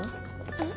えっ？